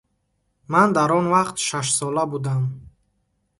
– Ман дар он вақт шашсола будам.